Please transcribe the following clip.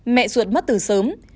mẹ ruột mất từ sớm